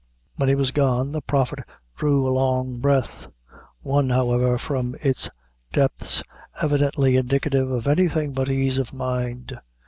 When he was gone, the Prophet drew a long breath one, however, from its depth, evidently indicative of anything but ease of mind.